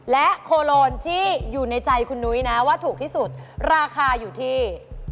และโคโลนที่อยู่ในใจคุณนุ้ยนะว่าถูกที่สุดราคาอยู่ที่